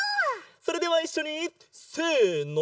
それではいっしょに！せの！